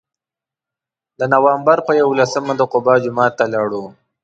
د نوامبر په یولسمه د قبا جومات ته لاړو.